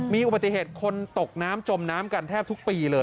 มีอุบัติเหตุคนตกน้ำจมน้ำกันแทบทุกปีเลย